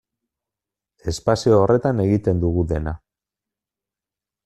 Espazio horretan egiten dugu dena.